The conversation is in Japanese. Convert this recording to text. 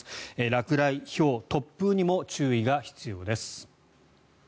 落雷、ひょう、突風にも注意が必要です。